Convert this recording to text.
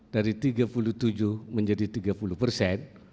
dari tiga puluh tujuh menjadi tiga puluh persen